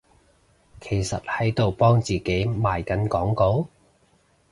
其實喺度幫自己賣緊廣告？